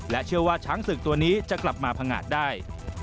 เชื่อว่าช้างศึกตัวนี้จะกลับมาพังงาดได้